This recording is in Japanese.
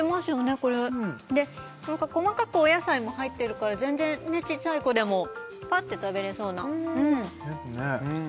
これ細かくお野菜も入ってるから全然小さい子でもパッて食べれそうなですね